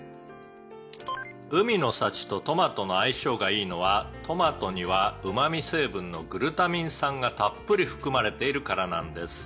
「海の幸とトマトの相性がいいのはトマトにはうま味成分のグルタミン酸がたっぷり含まれているからなんです」